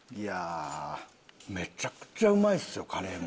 めちゃくちゃうまいですよカレーも。